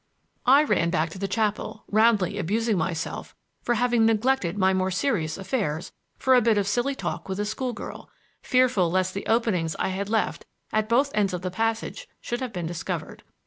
I ran back to the chapel, roundly abusing myself for having neglected my more serious affairs for a bit of silly talk with a school girl, fearful lest the openings I had left at both ends of the passage should have been discovered.